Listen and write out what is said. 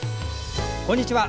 こんにちは。